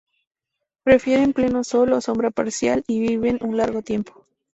Prefieren pleno sol o sombra parcial, y viven un largo tiempo.